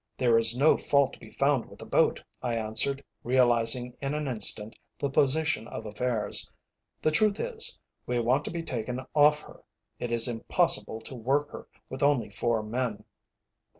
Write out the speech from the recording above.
"There is no fault to be found with the boat," I answered, realizing in an instant the position of affairs. "The truth is, we want to be taken off her. It is impossible to work her with only four men."